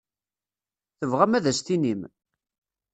Tebɣam ad as-tinim?